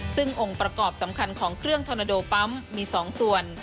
ซึ่งองค์ประกอบสำคัญของเครื่องทอนาโดปั๊มมี๒ส่วน